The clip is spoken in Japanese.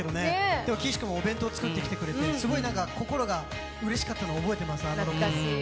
でも岸君もお弁当、作ってきてくれて、心がうれしかったの覚えてます。